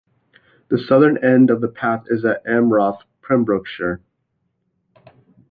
The southern end of the path is at Amroth, Pembrokeshire.